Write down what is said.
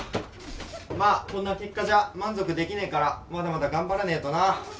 まあ、こんな結果じゃ満足できねぇから、まだまだ頑張らねえとな。